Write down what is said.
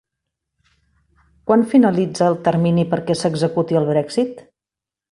Quan finalitza el termini perquè s'executi el Brexit?